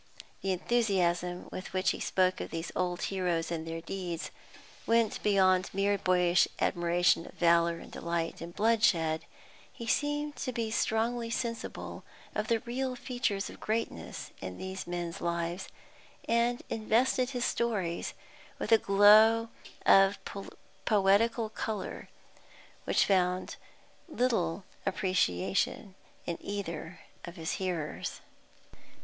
The enthusiasm with which he spoke of these old heroes and their deeds went beyond mere boyish admiration of valour and delight in bloodshed; he seemed to be strongly sensible of the real features of greatness in these men's lives, and invested his stories with a glow of poetical colour which found little appreciation in either of his hearers.